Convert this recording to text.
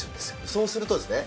そうするとですね